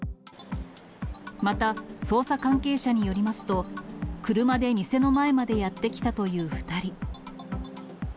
また、捜査関係者によりますと、車で店の前までやって来たという２人。